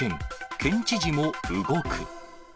県知事も動く。